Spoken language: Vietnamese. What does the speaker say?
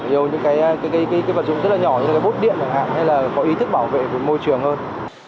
yêu những cái vật dụng rất là nhỏ như cái bốt điện hay là có ý thức bảo vệ môi trường hơn